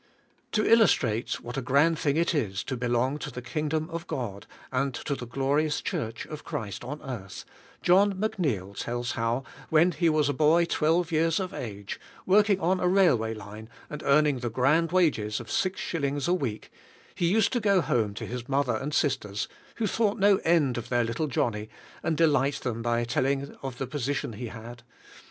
To illustrate what a grand thing it is to belong to the Kingdom of God, and to the glo rious Church of Christ on earth, John McNeill tells how when he was a boy twelve years of age, working on a railway line and earning the grand wages of six shillings a week, he used to go home to his mother and sisters, who thought no end of their little Johnnie, and delight them by telling of the position he had.